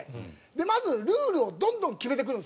まずルールをどんどん決めてくるんですね。